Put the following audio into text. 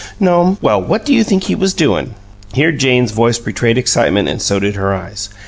"No'm. Well, what you think he was doin'?" (Here Jane's voice betrayed excitement and so did her eyes.)